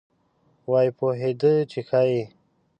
وایي پوهېده چې ښایي.